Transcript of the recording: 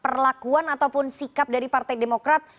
perlakuan ataupun sikap dari partai demokrat